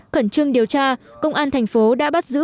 khẩn trương điều tra công an thành phố đã bắt giữ